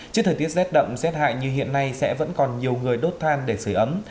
trước thời tiết rét đậm rét hại như hiện nay sẽ vẫn còn nhiều người đốt than để sửa ấm